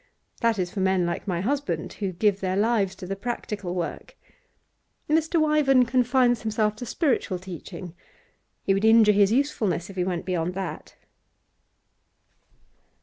That is for men like my husband, who give their lives to the practical work. Mr. Wyvern confines himself to spiritual teaching. He would injure his usefulness if he went beyond that.